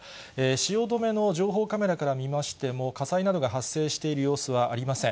汐留の情報カメラから見ましても、火災などが発生している様子はありません。